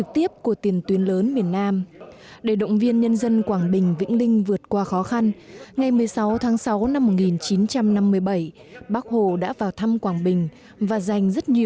tỉnh quảng bình